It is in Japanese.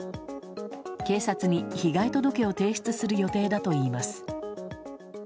警察に被害届を提出する予定だといいます。